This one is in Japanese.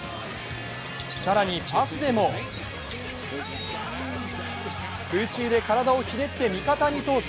更にパスでも空中で体をひねって味方に通す。